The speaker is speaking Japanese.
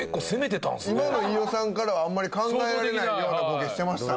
今の飯尾さんからはあんまり考えられないようなボケしてましたね。